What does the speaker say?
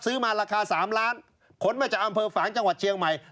ซื้อมาราคา๓ล้านขนมาจากอำเภอฝางจังหวัดเชียงใหม่